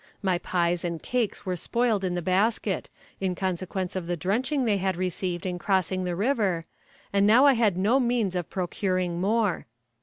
My pies and cakes were spoiled in the basket, in consequence of the drenching they had received in crossing the river, and now I had no means of procuring more.